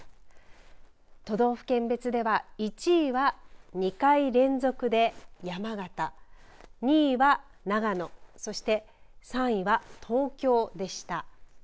都道府県別では１位は２回連続で山形２位は長野そして３位は東京でした。